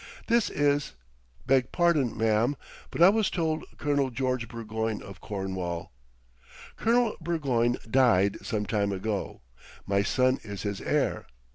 This is " "Beg pardon, ma'am, but I was told Colonel George Burgoyne, of Cornwall " "Colonel Burgoyne died some time ago. My son is his heir.